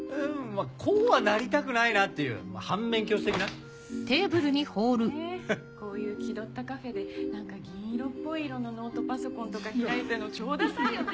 こうはなりたくないなっていう反面教師的な？だよねこういう気取ったカフェで何か銀色っぽい色のノートパソコンとか開いてんの超ダサいよね。